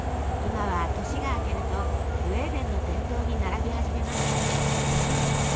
今は年が明けるとスウェーデンの店頭に並び始めます。